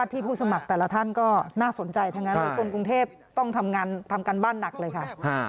ทุกคนกรุงเทพฯต้องทำการบ้านหนักเลยค่ะ